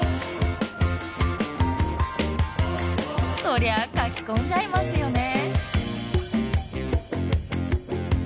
そりゃあかき込んじゃいますよね。